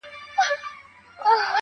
د په زړه کي اوښکي، د زړه ویني – ويني